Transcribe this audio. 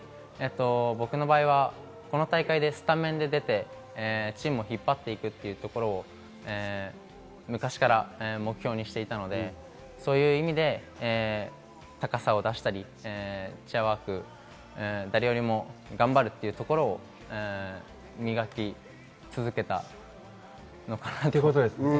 僕の場合はこの大会でスタメンで出て、チームを引っ張っていくというところを昔から目標にしていたので高さを出したり、チェアワーク、誰よりも頑張るというところを磨き続けたのかなということです。